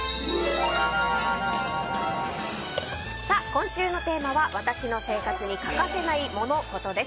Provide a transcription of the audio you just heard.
今週のテーマは私の生活に欠かせないモノ・コトです。